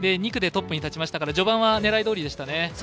２区でトップに立ちましたから序盤は狙いどおりでしたね。